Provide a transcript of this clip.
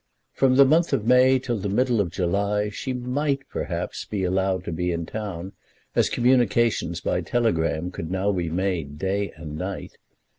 From the month of May till the middle of July she might, perhaps, be allowed to be in town, as communications by telegram could now be made day and night.